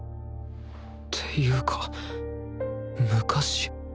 っていうか昔？